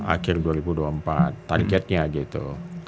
akhir dua ribu dua puluh empat targetnya gitu